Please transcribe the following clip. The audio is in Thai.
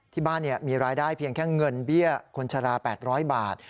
ที่บ้านมีรายได้เพียงแค่เงินเบี้ยคนชะลา๘๐๐บาท